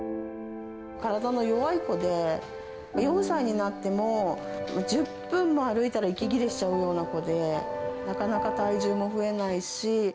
体の弱い子で、４歳になっても１０分も歩いたら息切れしちゃうような子で、なかなか体重も増えないし。